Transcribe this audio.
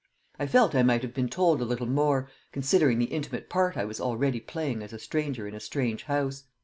I felt I might have been told a little more, considering the intimate part I was already playing as a stranger in a strange house.